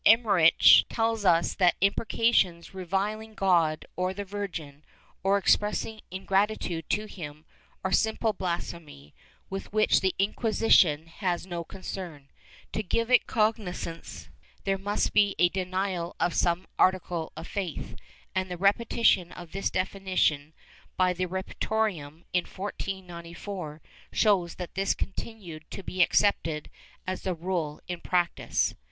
Eymerich tells us that imprecations reviling God or the Virgin, or expressing ingratitude to him, are simple blasphemy with which the Inquisi tion has no concern; to give it cognizance there must be a denial of some article of faith, and the repetition of this definition by the Repertorium in 1494 shows that this continued to be accepted as the rule in practice.